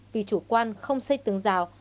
vì chủ quan không xây tường rào